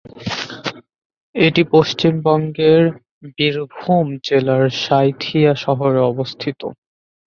এটি পশ্চিমবঙ্গের বীরভূম জেলার সাঁইথিয়া শহরে অবস্থিত।